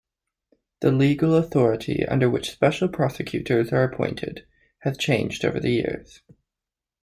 The legal authority under which special prosecutors are appointed has changed over the years.